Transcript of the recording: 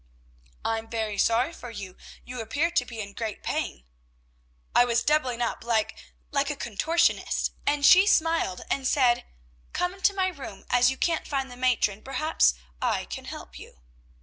"'I am very sorry for you; you appear to be in great pain.' "I was doubling up like like a contortionist," and she smiled, and said, "'Come into my room, as you can't find the matron, perhaps I can help you.'